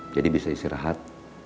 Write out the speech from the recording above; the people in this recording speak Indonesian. jadi bisa istirahat